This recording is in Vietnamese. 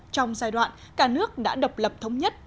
trong giai đoạn cả nước đã độc lập thống nhất